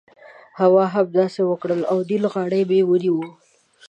هو! همداسې مې وکړل او د نېل غاړه مې ونیوله.